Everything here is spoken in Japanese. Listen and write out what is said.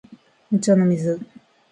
お茶の水